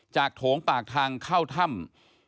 โถงปากทางเข้าถ้ำ